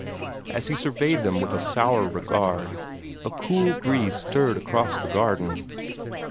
As he surveyed them with a sour regard, a cool breeze stirred across the garden.